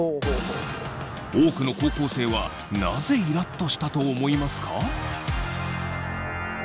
多くの高校生はなぜイラッとしたと思いますか？